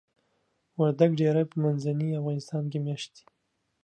وردګ ډیری په منځني افغانستان کې میشت دي.